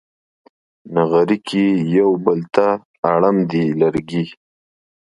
نغري کې یو بل ته اړم دي لرګي